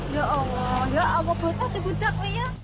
ya allah ya allah betul betul digunak ini ya